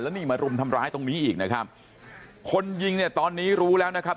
นี่มารุมทำร้ายตรงนี้อีกนะครับคนยิงเนี่ยตอนนี้รู้แล้วนะครับ